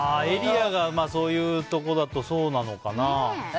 エリアがそういうところだとそうなのかな。